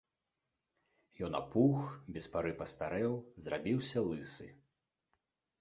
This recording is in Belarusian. Ён апух, без пары пастарэў, зрабіўся лысы.